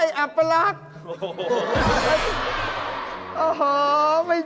โอ้โหห้อฮาร์ด